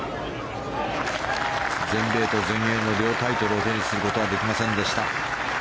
全米と全英の両タイトルを手にすることはできませんでした。